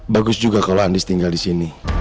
bagus juga kalau andis tinggal disini